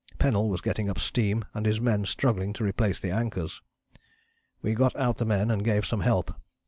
Pennell was getting up steam and his men struggling to replace the anchors. "We got out the men and gave some help.